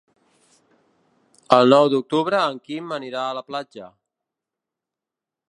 El nou d'octubre en Quim anirà a la platja.